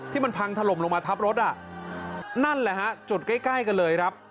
ที่มันพังถล่มลงมาทับรถอ่ะนั่นแหละฮะจุดใกล้ใกล้กันเลยครับ